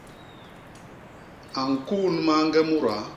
A ñkun mañge mudaa.